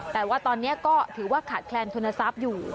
แต่ว่าตอนนี้ก็ถือว่าขาดแคลนทุนทรัพย์อยู่